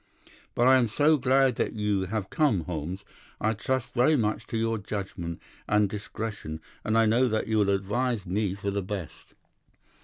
But I am so glad that you have come, Holmes. I trust very much to your judgment and discretion, and I know that you will advise me for the best.